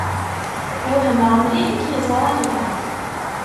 Wehmeɣ mliḥ i k-yeẓran da.